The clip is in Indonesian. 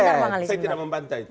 saya tidak mau membantai itu